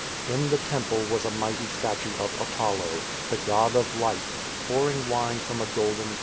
In the temple was a mighty statue of Apollo, the God of Light, pouring wine from a golden goblet.